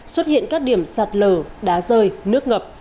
xuất hiện các điểm sạt lở đá rơi nước ngập